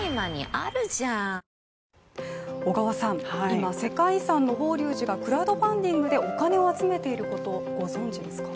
今、世界遺産の法隆寺がクラウドファンディングでお金を集めていることご存じですか？